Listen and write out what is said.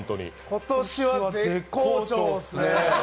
今年は絶好調っすね。